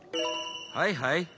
はいはい。